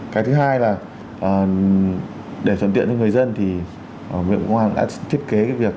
cái thứ hai là để chuẩn tiện cho người dân thì nguyễn quang đã thiết kế cái việc